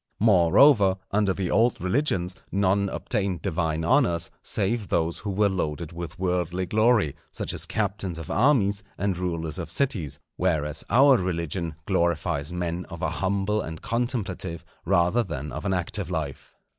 Moreover, under the old religions none obtained divine honours save those who were loaded with worldly glory, such as captains of armies and rulers of cities; whereas our religion glorifies men of a humble and contemplative, rather than of an active life.